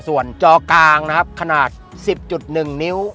ส่วนจอกลางขนาด๑๐๑นิ้ว